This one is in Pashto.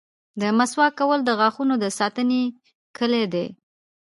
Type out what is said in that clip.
• د مسواک کول د غاښونو د ساتنې کلي ده.